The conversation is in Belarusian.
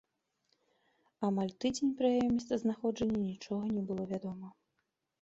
Амаль тыдзень пра яе месцазнаходжанне нічога не было вядома.